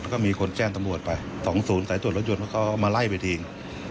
แล้วก็มีคนแจ้งตำรวจไป๒ศูนย์ใส่ตรวจรถยนต์เขามาไล่ไปทิ้ง